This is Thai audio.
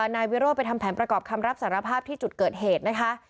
นายวิโรธไปทำแผนประกอบคำรับสารภาพที่จุดเกิดเหตุนะคะ